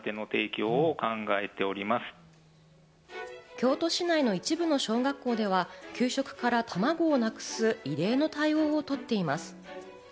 京都市内の一部の小学校では給食から、たまごをなくす異例の対応を取っています。